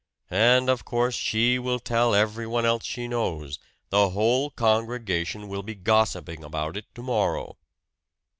And, of course, she will tell everyone else she knows the whole congregation will be gossiping about it to morrow!"